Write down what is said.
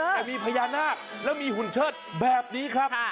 แต่มีพญานาคแล้วมีหุ่นเชิดแบบนี้ครับ